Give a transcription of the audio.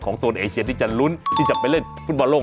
โซนเอเชียที่จะลุ้นที่จะไปเล่นฟุตบอลโลก